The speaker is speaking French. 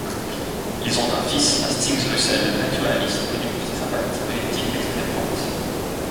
Ils ont un fils, Hastings Russel, naturaliste, connu pour ses sympathies politiques d'extrême-droite.